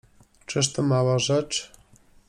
Czyż to mała rzecz?